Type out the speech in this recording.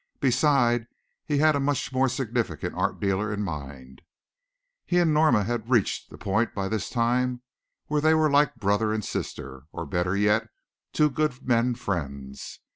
Besides he had a much more significant art dealer in mind. He and Norma had reached the point by this time where they were like brother and sister, or better yet, two good men friends.